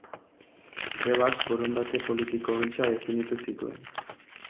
Grebak borondate politiko gisa definitu zituen.